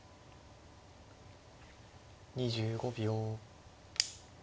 ２５秒。